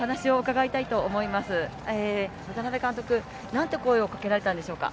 何て声をかけられたんでしょうか？